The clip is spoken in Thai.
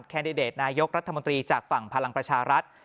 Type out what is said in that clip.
แดดิเดตนายกรัฐมนตรีจากฝั่งพลังประชารัฐ